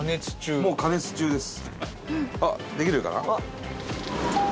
伊達：もう加熱中です。